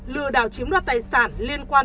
lừa đảo chiếm đoạt tài sản liên quan